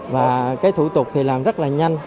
và cái thủ tục thì làm rất là nhanh